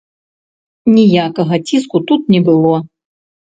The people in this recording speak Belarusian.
Ніякага ціску тут не было.